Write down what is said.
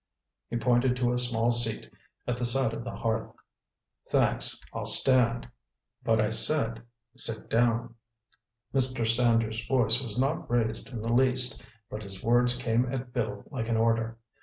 He pointed to a small seat at the side of the hearth. "Thanks, I'll stand." "But I said, sit down!" Mr. Sanders' voice was not raised in the least, but his words came at Bill like an order.